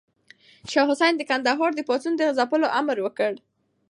شاه حسين د کندهار د پاڅون د ځپلو امر وکړ.